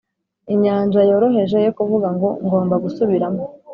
inyanja yoroheje yo kuvuga ngo ngomba gusubiramo